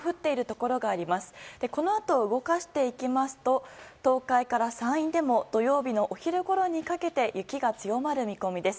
このあと動かしていきますと東海から山陰でも土曜日のお昼ごろにかけて雪が強まる見込みです。